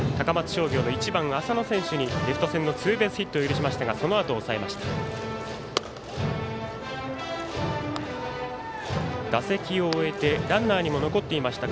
商業の１番、浅野選手にレフト線のツーベースヒットを許しましたがそのあと抑えました。